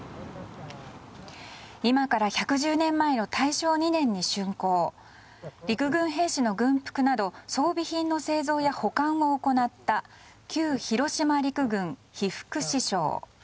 今から１１２年前の大正２年に竣工陸軍兵士の軍服など装備品の製造や保管を行った旧広島陸軍被服支廠。